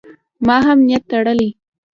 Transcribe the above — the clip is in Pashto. ما هم نیت تړلی.